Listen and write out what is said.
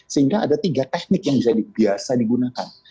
sehingga ada tiga teknik yang bisa biasa digunakan